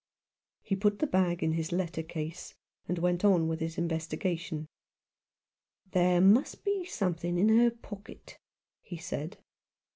He put the bag in his letter case, and went on with his investiga tion. "There may be something in her pocket," he said.